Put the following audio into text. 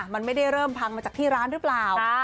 มันไม่ได้เริ่มพังมาจากที่ร้านหรือเปล่า